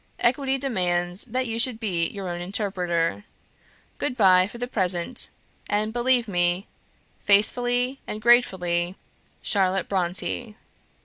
Equity demands that you should be your own interpreter. Good bye for the present, and believe me, "Faithfully and gratefully, "CHARLOTTE BRONTË.